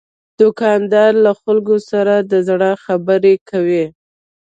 دوکاندار له خلکو سره د زړه خبرې کوي.